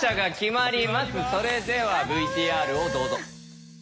それではＶＴＲをどうぞ。